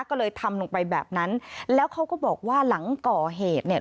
ก็เลยทำลงไปแบบนั้นแล้วเขาก็บอกว่าหลังก่อเหตุเนี่ย